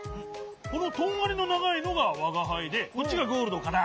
このとんがりのながいのがわがはいでこっちがゴールドかな？